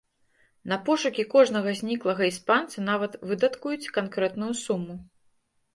На пошукі кожнага зніклага іспанца нават выдаткуюць канкрэтную суму.